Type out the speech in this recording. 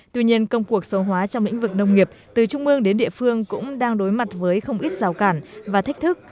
tuy nhiên công cuộc số hóa trong lĩnh vực nông nghiệp từ trung ương đến địa phương cũng đang đối mặt với không ít rào cản và thách thức